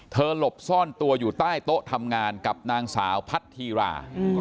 หลบซ่อนตัวอยู่ใต้โต๊ะทำงานกับนางสาวพัทธีรา